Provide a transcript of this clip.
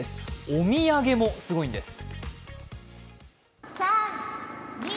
お土産もすごいんです。